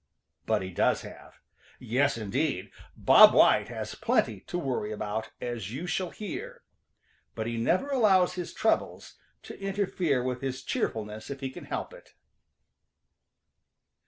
But he does have. Yes, indeed! Bob White has plenty to worry about, as you shall hear, but he never allows his troubles to interfere with his cheerfulness if he can help it.